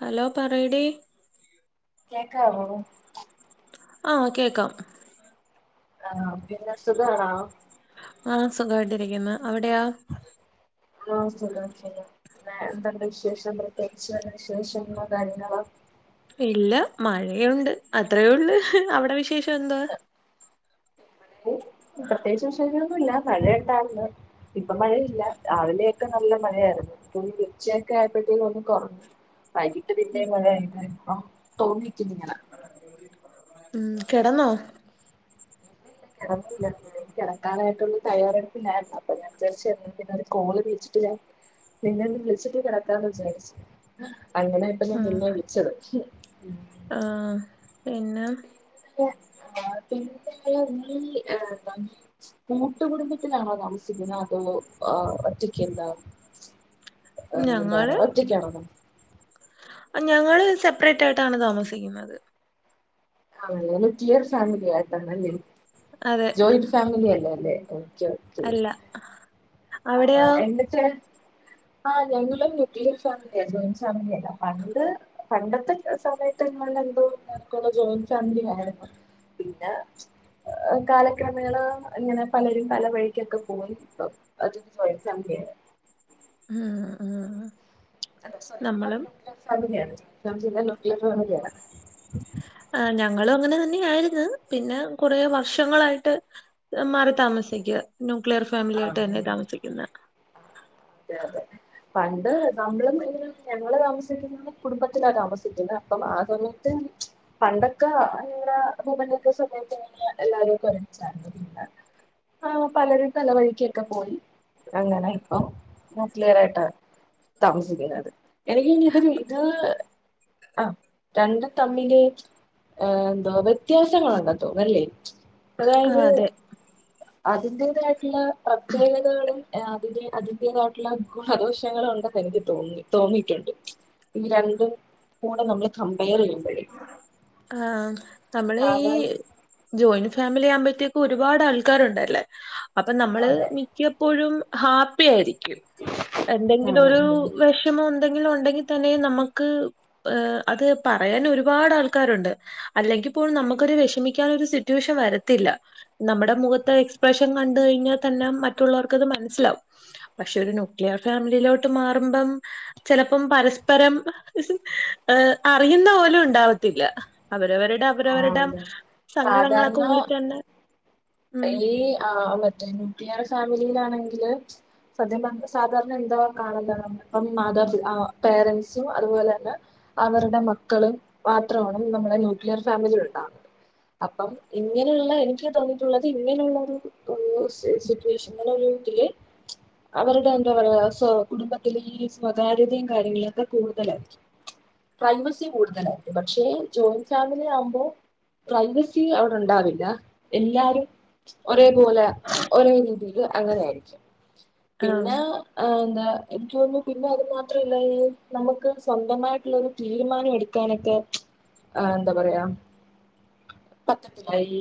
Hello പറയടി കേക്കാ വോ ആഹ് കേക്കാം ആഹ് പിന്നെ സുഖാണോ? ആഹ് സുഖായിട്ടിരിക്കുന്ന്. അവിടെയാ ആഹ് സുഖം സുഖം പിന്നെ എന്തുണ്ട് വിശേഷം [unintelligible] ഇല്ല മഴയുണ്ട് അത്രയൊള്ളു അവിടെ വിശേഷ എന്തുവ? പ്രത്യേകിച്ച് വിശേഷോന്നുല്ല മഴ ണ്ടായിർന്നു ഇപ്പം മഴയില്ല രാവിലെയൊക്കെ നല്ല മഴയായിർന്നു ഇപ്പം ഉച്ചയൊക്കെ ആയപ്പോഴത്തേക്കു ഒന്ന് കൊർഞ്ഞു വൈകിട്ട് പിന്നേം മഴ [unintelligible] ഇപ്പം [unintelligible] ഉം കെടന്നോ കെടന്നില്ല എനി കിടക്കാനായിട്ടുള്ള തയ്യാറെടുപ്പില്ലായിരുന്നു അപ്പൊ ഞാ വിചാരിച്ച എന്ന പിന്നെ ഒരു കോള് വിളിച്ചിട്ട് ഞാൻ നിന്നെ ഒന്ന് വിളിച്ചിട്ട് കിടക്കാന്ന് വിചാരിച്ചു അങ്ങനെ ഇപ്പൊ ഞാൻ ആഹ് നിന്നെ വിളിച്ചത്. ആഹ് പിന്നെ [unintelligible] നീ എന്താ കൂട്ടുകുടുംബത്തിലാണോ താമസിക്കുന്നത് അതോ ആ ഒറ്റക്കെന്താ എന്താ ഞങ്ങള് പറയാ ഒറ്റക്കാണോ [unintelligible] ഞങ്ങള് സെപ്പറേറ്റായിട്ടാണ് താമസിക്കുന്നത്. ആ ങ്ങള് ടിയർ ഫാമിലി ആയിട്ടാണല്ലെ അതെ ജോയിന്റ് ഫാമിലി അല്ലേ അതെ ഉം ഓക്കെ ഓക്കെ അല്ല ആ അവിടെയോ എന്നിട്ട് ആ ഞങ്ങള് ന്യൂക്ലിയർ ഫാമിലിയ ജോയിൻ ഫാമിലിയല്ല പണ്ട് പണ്ടത്തെ സമയത്ത് ഞങ്ങള എന്തോ എനിക്കോന്നാ ജോയിൻ ഫാമിലിലായിരുന്നു പിന്നെ കാലക്രമേണ ങ്ങനെ പലരും പല വഴിക്കൊക്കെ പോയി ഇപ്പം അതൊരു ജോയിന്റ് ഫാമിലിയാ ഉം ഉം അത സോറി ഇപ്പം നമ്മളും നൂക്ലിയർ ഫാമിലിയാണ്. സംശയില്ല ന്യൂക്ലിയർ ഫാമിലി ആണ്. ആ ഞങ്ങളും അങ്ങനെ തന്നെയായിർന്ന് പിന്നെ കുറെ വർഷങ്ങളായിട്ട് മാറി താമസിക്കുവാ. ന്യൂക്ലിയർ ഫാമിലിയായിട്ട് തന്നെ താമസിക്കുന്നേ. അതെയതെ പണ്ട് നമ്മൾ [unintelligible] ഞങ്ങൾ താമസിക്കുന്ന കുടുംബത്തില താമസിക്കുന്നെ അപ്പം ആ സമയത്ത് പണ്ടൊക്കെ ങ്ങനെഅപ്പൂപ്പന്റൊക്കെ സമയത്ത് എല്ലാരും ഒരുമിച്ച ണ്ടായിർന്നേ പ്പാ പലരും പലവഴിക്കൊക്കെ പോയി അങ്ങനെ ഇപ്പൊ നൂക്ലിയറായിട്ടാ താമസിക്കുന്നത് എനിക്കിഞ്ഞിതിൽ ഇത്. ആ രണ്ടും തമ്മിൽ ഏ എന്തോ വ്യത്യാസങ്ങളുണ്ടന്ന് തോന്നു അല്ലേ ആ അതെ അതിന്റേതായിട്ടുള്ള പ്രത്യേകതകളുംഏ അതിന്റെ അതി ന്റേതായിട്ടുള്ള ഗുണദോഷങ്ങളുണ്ടെന്നു എനിക്ക് തോന്നി തോന്നിയിട്ടുണ്ട് ഈ രണ്ടും കൂടെ നമ്മൾ കമ്പെയർ ചെയ്യുമ്പോ- ആ നമ്മള് ഈ സാധാരണ ജോയിന്റ് ഫാ മിലി ആകുമ്പത്തേക്കും ഒരുപാട് ആൾക്കാരുണ്ടല്ലേ. അപ്പൊ നമ്മള് അതെ മിക്കപ്പോഴും ഹാപ്പി ആയിരി ക്കും എന്തെങ്കിലും ഒരു ഉം വെഷമം ഉണ് എന്തെങ്കിലും ഉണ്ടെങ്കി തന്നെ നമക്ക് ഏ അത് പറയാനൊരു ഒരുപാട് ആൾക്കാരുണ്ട്, അല്ലെങ്കിപ്പോൾ നമ്മക്കൊരു വെഷമിക്കാൻ ഒരു സിറ്റുവേഷൻ വരത്തില്ല, നമ്മടെ മുഖത്തെ എക്സ്പ്രഷൻ കണ്ട് കഴിഞ്ഞാ തന്നെ മറ്റുള്ളവർക്കത് മനസ്സിലാവും, പക്ഷേ ഒരു ന്യൂക്ലിയർ ഫാമിലിയിലോട്ട് മാറുമ്പം ചെലപ്പം പരസ്പരം അറിയുന്ന പോലും ഉണ് ഉണ്ടാവത്തില്ല, അവരവരു ആ അതെ സാധാരണ ഉള്ളിൽ തന്നെ ഉം ഈ ആ മറ്റേ ന്യൂക്ലിയർ ഫാ ലിയിലാണെങ്കില് സത്യം പറഞ്ഞ സാധാരണ എന്താ കാണുന്നെ നമ്മെ മാതാപിതാ ആ പേരന്റ്സും അതുപോലെ തന്നെ അവരുടെ മക്കളും മാത്രമാണ് നമ്മളെ ന്യൂ ക്ലിയർ ഫാമിലിയിലുണ്ടാവുന്നത്, അപ്പം ഇങ്ങനെയുള്ള എനിക്ക് തോന്നിയിട്ടുള്ളത് ഇങ്ങനെയുള്ള ഒരു സ് സ് സിറ്റുവേഷനില് അവരുടെ എന്താ പറയാ സ്വ കുടുംബത്തിലെ ഈ സ്വകാര്യതയും കാര്യങ്ങളൊക്കെ കൂടുതലായിരിക്കും, പ്രൈവസി കൂടുതലായിരിക്കും, പക്ഷേ ജോയി ന്റ് ഫാമിലി ആവുമ്പോ പ്രൈവസി അവിടെ ഉണ്ടാവില്ല, എല്ലാരും ഒരേപോലെ ഒരേ രീതിയില് അങ്ങനെ ആയിരിക്കും. പിന്നെ ആഹ് ആ എന്താ എനിക്ക് തോന്നുന്നു പിന്നെ അത് മാത്രല്ല ഈ നമുക്ക് സ്വന്തമായിട്ടുള്ള ഒരു തീരുമാനം എടുക്കാനൊക്കെ ആ എന്താ പറയാ ഈ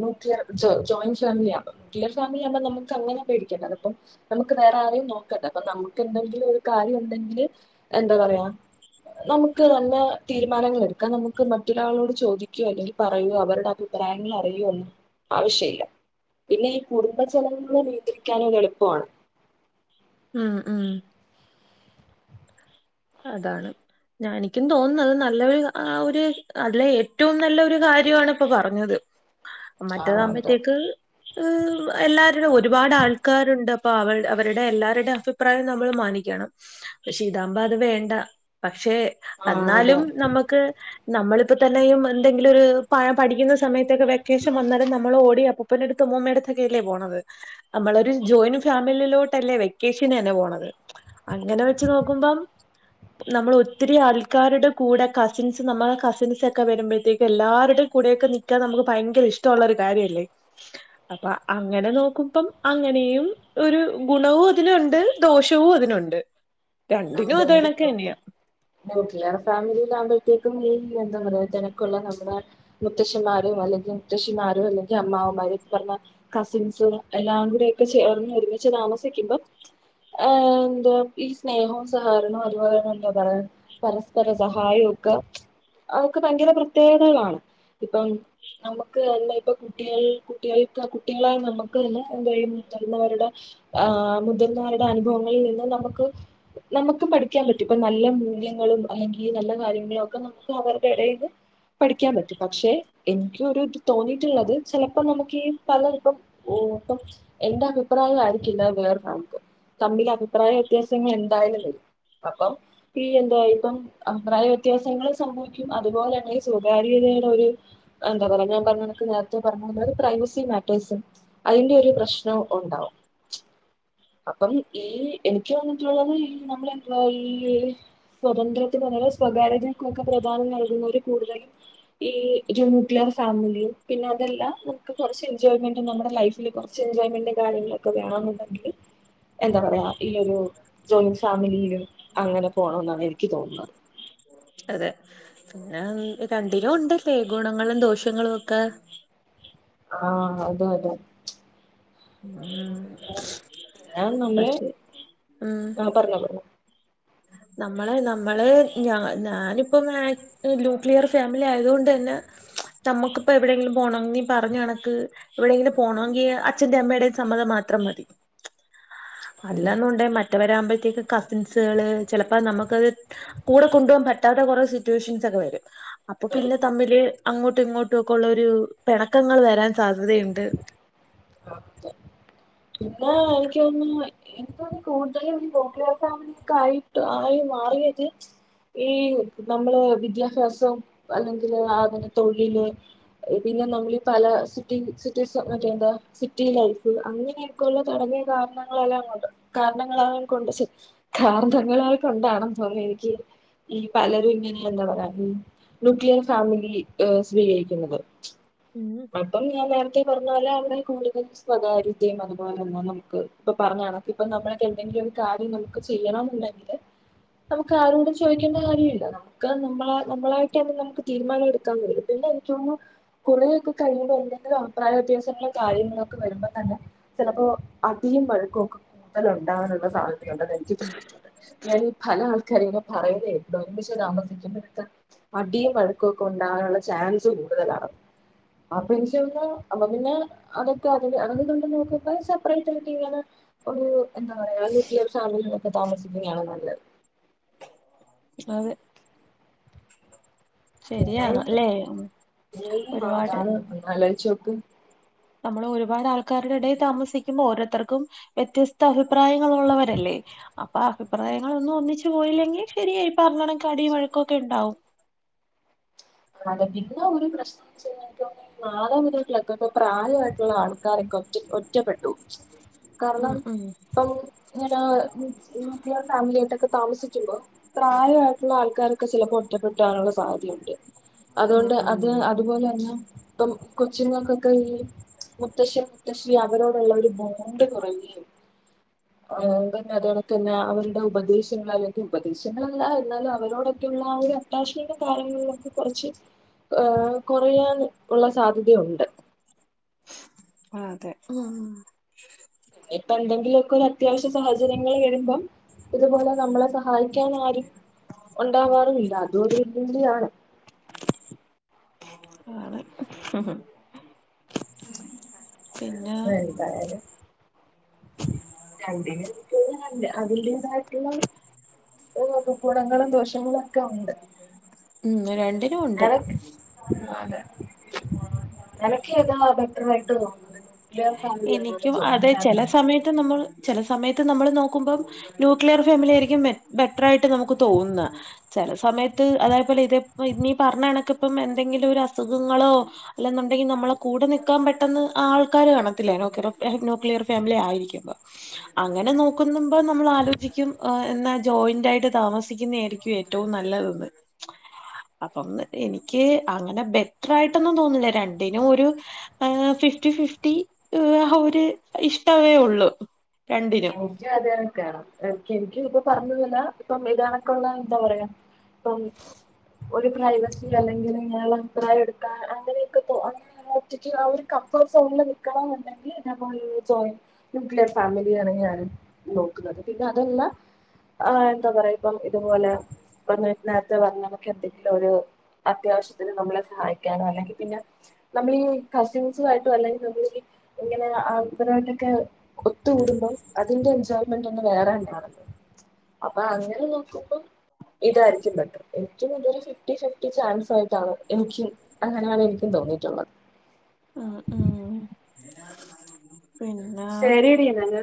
ന്യൂക്ലിയർ ജോ ജോയിന്റ് ഫാമിലിയാ ന്യൂക്ലിയർ ഫാമിലി ആകുമ്പ നമുക്ക് അങ്ങനെ പേടിക്കണ്ടല്ലോ ഇപ്പം നമുക്ക് വേറെ ആരെയും നോക്കണ്ട, ഇപ്പ നമ്മക്ക് എന്തെങ്കിലും ഒരു കാര്യം ഉണ്ടെങ്കില് എന്താ പറയാ നമുക്ക് നല്ല തീരുമാനങ്ങൾ എടുക്കാ, നമു നമുക്ക് മറ്റൊരാളോട് ചോദിക്കോ അല്ലെങ്കിൽ പറയോ അവരുടെ അഭിപ്രായങ്ങൾ അറിയോ ഒന്നും ആവശ്യല്ല, പിന്നെ ഈ കുടുംബ ചെലവിനുള്ള നിയന്ത്രിക്കാൻ ഒരു എളുപ്പമാണ്. മ് മ് അതാണ് ഞാൻ എനിക്കും തോന്നുന്നത് നല്ലൊരു ആ ഒരു അതിലെ ഏറ്റവും നല്ല ഒരു കാര്യാണ് ഇപ്പോ പറഞ്ഞത്. ആ അതെ മറ്റേതാകുമ്പത്തേക്ക് മ് എല്ലാരുടെ ഒരുപാട് ആൾക്കാരുണ്ട്, അപ് ആ അവ അവരുടെ എല്ലാരുടെ അഭിപ്രായം നമ്മള് മാനിക്കണം. പക്ഷേ ഇതാ [unintelligible] അത് വേണ്ട അ പക്ഷേ ആ അതെ എന്നാലും നമുക്ക് നമ്മളിപ്പോ തന്നെയും എന്തെങ്കിലും ഒരു പ പഠിക്കുന്ന സമയ ഒക്കെ വെക്കേഷൻ വന്നാലും നമ്മള് ഓടിയാർക്കും പ്പന്റെടത്തും ഉമ്മൂമ്മേട്ത്തൊക്കെയല്ലേ പോണത്. നമ്മളൊരു ജോയിനു ഫാമിലിലോട്ടല്ലേ വെക്കേഷനന്നെ പോണത്. അങ്ങനെ വെച്ച് നോക്കുമ്പം നമ്മളൊത്തിരി ആൾക്കാരുടെ കൂടെ കസിൻസ് നമ്മെ കസിൻസൊക്കെ വരുമ്പഴ്‌ത്തേക്ക് എല്ലാരുടെ കൂടെയൊക്കെ നിക്കാൻ നമുക്ക്ഭയങ്കര ഇഷ്ടമുള്ളൊരു കാര്യല്ലേ. അപ്പൊ അങ്ങനെ നോക്കുമ്പം അങ്ങനെയും ഒരു ഗുണവു അതിലുണ്ട് ദോഷവും അതിനുണ്ട്. രണ്ടിനും അത് കണക്ക് തന്നെയാ [unintelligible] ഫാമിലിയിൽ ആകുമ്പോ കേക്കും നീയെന്താ പറയ തെരക്കൊള്ള നമ്മുടെ മുത്തശ്ശിമാരോ അല്ലെങ്കി മുത്തശ്ശിമാരോ അല്ലെങ്കി അമ്മാവമ്മാര് പറഞ്ഞ കസിൻസോ എല്ലാം കൂടെക്കെ ചേർന്ന് ഒരുമിച്ച് താമസിക്കുമ്പം ഏ ന്താ ഈ സ്നേഹോം താർണോം അതുപോലെ തെ എന്താ പറ പരസ്പര സഹായവും ക്കെ അതൊക്കെ ഭയങ്കര പ്രത്യേകതകളാണ് ഇപ്പം നമുക്ക് എന്താ ഇപ്പ കുട്ടികൾ കുട്ടികൾക്ക് കുട്ടികളായ നമുക്ക് തന്നെ എന്താ മുതിർന്നവരുടെ ആ മുതിർന്നവരുടെ അനുഭവങ്ങളിൽ നിന്ന് നമുക്ക് നമുക്ക് പഠിക്കാൻ പറ്റും ഇപ്പൊ നല്ല മൂല്യങ്ങളും അല്ലെങ്കി നല്ല കാര്യങ്ങളൊക്കെ നമുക്ക് അവർക്കിടയിന്ന് പഠിക്കാപറ്റും പക്ഷെ എനിക്ക് ഒരിത് തോന്നിയിട്ടുള്ളത് ചെലപ്പോ നമുക്ക് ഈ പല ഇപ്പം ഹ് കൊർച് എന്റെ അഭിപ്രായം ആയിരിക്കില്ല വേറെ നമുക്ക് തമ്മില് അഭിപ്രായ വ്യത്യാസങ്ങൾ എന്തായാലും അപ്പം ഈ എന്താ ഇപ്പം അഭിപ്രായ വ്യത്യാസങ്ങൾ സംഭവിക്കും അതുപോലെ തന്നെ സ്വകാര്യതയുടെ ഒരു എന്താ പറ ഞാൻ പറഞ്ഞണക്ക് നേരത്തെ പറഞ്ഞ തന്ന ഒരു പ്രൈവസി മാറ്റേഴ്സും അയിന്റെ ഒരു പ്രശ്നം ഒണ്ടാവും അപ്പം ഈ എനിക്ക് തേന്നിട്ടുള്ളത് നമ്മള് എപ്പളാ ഈ സ്വതന്ത്രത്തി നങ്ങള് സ്വകാര്യതക്കും ഒകെ പ്രധാനം നൽകുന്നവര് കൂടുതലും ഈ ന്യൂക്ലിയർ ഫാമിലിയും പിന്നെ അതെല്ലാം മുക്ക് കൊറച്ച് എൻജോയ്മെന്റും നമ്മുടെ ലൈഫില് കുറച്ച് എൻജോയ്മെന്റ് കാര്യങ്ങളൊക്കെ വേണെന്നുണ്ടെങ്കില് എന്താ പറയാ ഈ ഒരു ജോയിന്റ് ഫാമിലിയിലും അങ്ങനെ പോണം ന്നാണ് എനിക്ക് തോന്നുന്നത് അതെ പിന്നെ രണ്ടിലും ഉണ്ടല്ലേ ഗുണങ്ങളും ദോഷങ്ങളൊക്കെ ആ അതെതെ ഉം പിന്നെ നമ്മള് പക്ഷെ ആ പറഞ്ഞോ പറഞ്ഞോ നമ്മളെ നമ്മള് ഞ ഞാനിപ്പമായിട്ട് ന്യൂക്ലിയർ ഫാമിലിയായത് കൊണ്ടെന്നെ നമ്മുക്ക് പ്പെവെടെങ്കിലും പോണോങ്കി പറഞ്ഞ കണക്ക് എവിടെയെങ്കിലും പോണോങ്കി അച്ഛന്റെ അമ്മടെ സമ്മതം മാത്രം മതി അതെ അല്ലാന്നുണ്ടേ മ ഇത്ത വരാമ്പത്തേക്ക് കസിൻസുകള് ചെലപ്പത് നമ്മക്കത് കൂടെ കൊണ്ടുപോവാൻ പറ്റാത്ത കൊറെ സിറ്റുവേഷൻസക്കെ വരും അപ്പൊ വരും പിന്നെ തമ്മില് അങ്ങോട്ടും ഇങ്ങോട്ടും ഒക്കെ ഒള്ളോരു പെണക്കങ്ങൾ വരാൻ സാധ്യതയുണ്ട് [unintelligible] പിന്നെ എനിക്ക് തോന്നുന്നു എനിക്ക് തോന്ന കൂടുതലും ഈ ന്യൂക്ലിയർ ഫാമിലിക്കായിട്ട് ആയി മാറിയത് ഈ നമ്മള് വിദ്യാഭ്യാസം അല്ലെങ്കില് അങ്ങെനേ തൊഴില് പിന്നെ നമ്മൾ പല സിറ്റി സിറ്റീസ് മറ്റേന്താ സിറ്റി ലൈഫ് അങ്ങനെയെക്കെയുള്ള തടങ്ങിയ കാരണങ്ങളെല്ലാം കൊണ്ട് കാരണങ്ങളെല്ലാം കൊണ്ട് കാരണങ്ങളായി കൊണ്ടാണെന്ന് തോന്നുന്ന എനിക്ക് ഈ പലരും ഇങ്ങനെ എന്താ പറയാ ഉം ന്യൂക്ലിയർ ഫാമിലി ഏ സ്വീകരിക്കുന്നത് ഉം അപ്പ ഞാൻ നേരത്തെ പറഞ്ഞ പോലെ കൂടുതൽ സ്വകാര്യതയും അതുപോലെ തന്നെ നമുക്ക് ഇപ്പ പറഞ്ഞ കണക്ക ഇപ്പ നമ്മളക്കെന്തെങ്കിലുയൊരു കാര്യം നമുക്ക് ചെയ്യണൊന്നൊണ്ടെങ്കില് നമുക്കാരോടും ചോദിക്കേണ്ട കാര്യമില്ല നമുക്ക് നമ്മള നമ്മളായിട്ട് തന്നെ നമുക്ക് തീരുമാനം എടുക്കാൻ വരും പിന്നെയെനിക്ക് തോന്നുന്നു കൊറേയൊക്കെ കഴിയുമ്പോ എന്തെങ്കിലും അഭിപ്രായ വ്യത്യാസങ്ങള് കാര്യങ്ങളൊക്കെ വരുമ്പോ തന്നെ ചെലപ്പോ അടിയും വഴക്കുമൊക്കെ അതൊണ്ടാവാനുള്ള സാധ്യതയൊണ്ടെന്ന്‌ എനിക്ക് തോന്നിയിട്ടുണ്ട് ഞാനീ പല ആൾക്കാരിങ്ങനെ പറയുന്ന കേൾക്കുമ്പോ ഒന്നിച്ച് താമസിക്കുമ്പോഴേ അടിയും വഴക്കൊക്കെയുണ്ടാവുനുള്ള ചാൻസ് കൂടുതലാണ് അപ്പ [unintelligible] അപ്പ പിന്നെ അതൊക്കെ അതിൻ്റെ അതെങ്ങനെ ഉണ്ടെന്ന് നോക്ക് സെപ്പറേറ്റായിട്ട് [unintelligible] ഒര് എന്താ പറയാ [unintelligible] ഒര് താമസിക്കുന്നയാണ് നല്ലത് അതെ ശരിയാണ് പിന്നെ അല്ലേ ഒരുപാട് [unintelligible] ഒന്നാലോചിച്ചുനോക്ക് നമ്മള് ഒരുപാട് ആൾക്കാരുടെ താമസിക്കുമ്പോ ഓരോത്തർക്കും വ്യത്യസ്ത അഭിപ്രായ ങ്ങൾ ഉള്ളവരല്ലേ അപ്പ അഭിപ്രായങ്ങളൊന്നും ഒന്നിച്ച് പോയില്ലെങ്കി ശരിയായിരി പറഞ്ഞകണക്ക് അടിയും വഴക്കും ഒക്കെ ഉണ്ടാവും അതെ പിന്നൊരു പ്രശ്നൊന്നു വെച്ച എനിക്ക് തോന്നി [unintelligible] [unintelligible] പ്രായമായിട്ടുള്ള ആൾക്കാരൊക്കെ ഒറ്റ ഒറ്റ ഒറ്റപ്പെട്ടു കാരണം ഉം ഉം ഇപ്പം ഇങ്ങനെ ന്യൂക്ലിയർ ഫാമിലിയായിട്ടൊക്കെ താമസി [unintelligible] പ്രായമായിട്ടുള്ള ആൾക്കാരൊക്കെ ചെലപ്പോ ഒറ്റപ്പെട്ട് പോവാനുള്ള സാധ്യതയുണ്ട് ഉം അതുകൊണ്ട് അത് ഉം അതുപോലെ തന്നെ ഇപ്പം കൊച്ചുങ്ങൾക്കൊക്കെ ഈ മുത്തശ്ശൻ മുത്തശ്ശി അവരോടുള്ളൊരു ബോണ്ട് കൊറയുകയും പിന്നെത് പോണക്ക് തന്നെ അവരുടെ ഉപദേശങ്ങൾ അല്ലെങ്കിൽ ഉപദേശങ്ങളല്ല എന്നാലും അവരോടൊക്കെയുള്ള ആ ഒരു അറ്റാച്ച്മെന്റും കാര്യങ്ങളിലൊക്കെ കുറച്ച് ഏ കുറയാൻ ഉള്ള സാധ്യതയുണ്ട് ആ അതെ ഉം ഇപ്പം എന്തെങ്കിലുമൊക്കെയൊരു അത്യാവശ്യ സാഹചര്യങ്ങൾ വരുമ്പം ഇതുപോലെ നമ്മളെ സഹായിക്കാനാരും ഉണ്ടാവാറുമില്ല അതൊരു വെല്ലുവിളിയാണ് ആണ് പിന്നെ ആ എന്തായാലും രണ്ടിനും [unintelligible] അതിന്റെതായിതായിട്ടുള്ള [unintelligible] ഗുണങ്ങളും ദോഷങ്ങളും ഒക്കെ ഉണ്ട് [unintelligible] ഉണ്ട് നിനക്ക് അതെ നിനക്ക് ഏതാ ബെറ്റർ ആയിട്ട് തോന്നണേ എനിക്കും അത് ചില സമയത്ത് നമ്മൾ ചില സമയത്ത് നമ്മൾ നോക്കുമ്പോൾ ന്യൂക്ലിയർ ഫാമിലി ആയിരിക്കും ബെറ്റർ ആയിട്ട് നമുക്ക് തോന്നുന്ന ചില സമയത്ത് അതേപോലെ ഇത് ഇനി പറഞ്ഞ കണക്കിപ്പം എന്തെങ്കിലും ഒരു അസുഖങ്ങളോ അല്ലെന്നുണ്ടെങ്കിൽ നമ്മളെ കൂടെ നിൽക്കാൻ പെട്ടെന്ന് ആൾക്കാര് കാണത്ത ന്യൂക്ലിയർ ഫാമിലി ആയിരിക്കുമ്പോ അങ്ങനെ നോക്കുമ്പോൾ നമ്മൾ ആലോചിക്കും എന്നാ ജോയിന്റ് ആയിട്ട് താമസിക്കുന്ന ആയിരിക്കും ഏറ്റവും നല്ലതന്ന് അപ്പം എനിക്ക് അങ്ങനെ ബെറ്റർ ആയിട്ടൊന്നും തോന്നില്ല രണ്ടിനും ഒരു ഫിഫ്റ്റി ഫിഫ്റ്റി ഏഹ് ഒരു ഇഷ്ടമേ ഉള്ളു. രണ്ടിനും എനിക്കും അത് കണക്കാ. എനിക്ക് ഇപ്പ പറഞ്ഞതല്ല ഇപ്പം ഇതണൊക്കുള്ള എന്താ പറയാ ഇപ്പം ഒരു പ്രൈവസി അല്ലെങ്കിൽ ഞങ്ങൾക്കായിട്ട് എടുക്കാ എങ്ങനെയെക്കെ തോന്നുന്ന ഒറ്റക്ക് എടുക്കാൻ അങ്ങനെയൊക്കെ ആ ഒരു കംഫർട്ട് സോണില് നിൽക്കണം എന്നുണ്ടെങ്കിൽ ജോയിന്റ് ന്യൂക്ലിയർ ഫാമിലി നോക്കുന്നത് പിന്നെ അതെല്ലാം എന്താ പറയ ഇപ്പം ഇതുപോലെ പറഞ്ഞൊക്കെ എന്തെങ്കിലും ഒരു അത്യാവശ്യത്തിന് നമ്മളെ സഹായിക്കാനോ അല്ലെങ്കിൽ പിന്നെ നമ്മൾ ഈ കസിൻസ് ആയിട്ടോ അല്ലെങ്കിൽ നമ്മൾ ഇങ്ങനെ അവരുമായിട്ടൊക്കെ ഒത്തുകൂടുമ്പോ അതിന്റെ എൻജോയ്മെന്റ് ഒന്ന് വേറെ തന്നെയാണല്ലോ അപ്പൊ അങ്ങനെ നോക്കുമ്പോൾ ഇതായിരിക്കും ബെറ്റർ. എൻ്റെ ഒരു ഫിഫ്റ്റി ഫിഫ്റ്റി ചാൻസ് ആയിട്ടാണ് എനിക്കും അങ്ങനെയേ എനിക്കും തോന്നിയിട്ടുള്ളത്. ആ ഉം പിന്നെ ശരിയടി എന്നാല്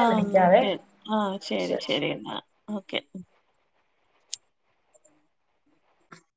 ആ എന്നാ വിളിക്കാവേ ശരി ആ ശരി ശരി എന്നാ. ഓക്കെ